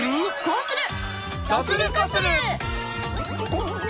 こうする！